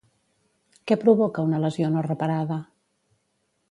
Què provoca una lesió no reparada?